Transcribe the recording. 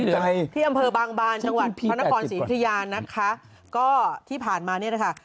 ใจที่อำเภอบางบานจังหวัดพระนครศรียุธยานะคะก็ที่ผ่านมาเนี่ยนะคะ